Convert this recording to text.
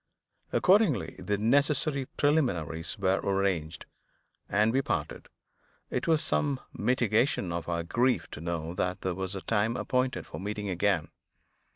Accordingly, the necessary preliminaries were arranged; and, when we parted, it was some mitigation of our grief to know that there was a time appointed for meeting again.